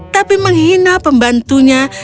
tapi menghina pembantunya